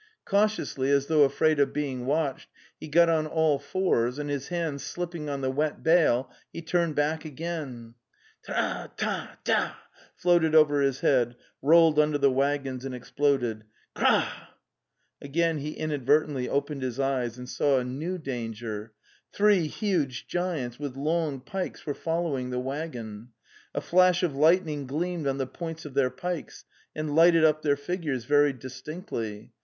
Cautiously, as though afraid of being watched, he got on all fours, and his hands slipping on the wet bale, he turned back again. "Trrah! tah! tah!' floated over his head, rolled under the waggons and exploded "' Kraa] " Again he inadvertently opened his eyes and saw a new danger: three huge giants with long pikes were following the waggon! A flash of lightning gleamed on the points of their pikes and lighted up their figures very distinctly.